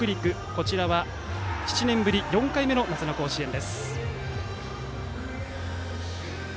こちらは７年ぶり４回目の夏の甲子園です。